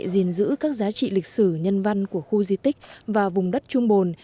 giữ các giá trị lịch sử nhân văn của khu di tích và vùng đất trung bồn